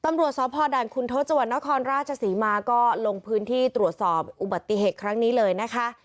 ตำรวจสพด่านคุณทศจังหวัดนครราชศรีมาก็ลงพื้นที่ตรวจสอบอุบัติเหตุครั้งนี้เลยนะคะ